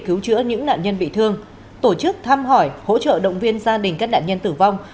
cứu chữa những nạn nhân bị thương tổ chức thăm hỏi hỗ trợ động viên gia đình các nạn nhân tử vong